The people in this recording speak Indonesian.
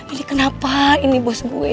ini kenapa ini bos gue